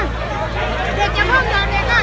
ก็ไม่มีเวลาให้กลับมาเท่าไหร่